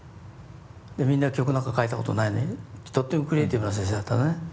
みんな曲なんか書いたことないのにとってもクリエーティブな先生だったんだね。